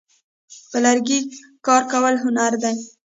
په لرګي کار کول هنر دی.